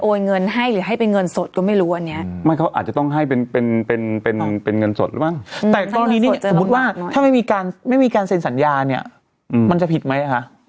โอ้โหต้นนี้ขาวมากเป็นพิเศษแล้วต้นข้างหน้านี่